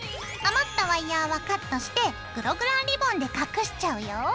余ったワイヤーはカットしてグログランリボンで隠しちゃうよ。